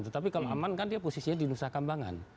tetapi kalau aman kan dia posisinya di nusa kambangan